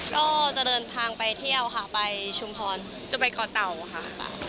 ก็จะเดินทางไปเที่ยวค่ะไปชุมพรจะไปก่อเต่าค่ะ